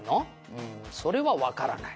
「うんそれはわからない」